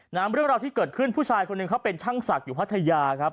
เรื่องราวที่เกิดขึ้นผู้ชายคนหนึ่งเขาเป็นช่างศักดิ์อยู่พัทยาครับ